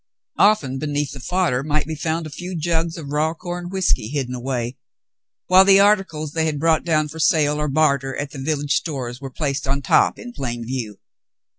Often beneath the fodder might be found a few jugs of raw corn whiskey hidden away, while the articles they had brought down for sale or barter at the village stores were placed on top in plain view.